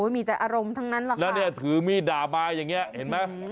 มีแต่อารมณ์ทั้งนั้นหรอกค่ะแล้วเนี่ยถือมีดด่ามาอย่างนี้เห็นไหม